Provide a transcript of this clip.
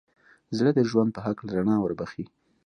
زړه د ژوند په هکله رڼا وربښي.